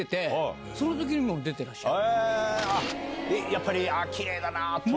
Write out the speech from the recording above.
やっぱりきれいだな！と。